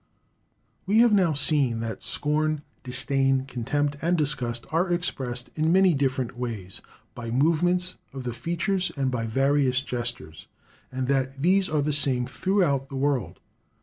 We have now seen that scorn, disdain, contempt, and disgust are expressed in many different ways, by movements of the features, and by various gestures; and that these are the same throughout the world.